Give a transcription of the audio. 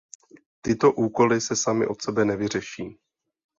Tyto úkoly se samy od sebe nevyřeší.